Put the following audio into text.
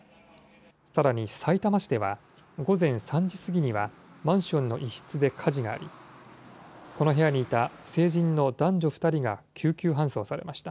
さらにさいたま市では、午前３時過ぎには、マンションの一室で火事があり、この部屋にいた成人の男女２人が救急搬送されました。